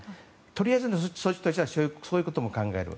とりあえずの措置としてはそういうことも考える。